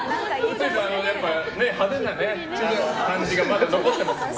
碓井さんは派手な感じがまだ残ってますから。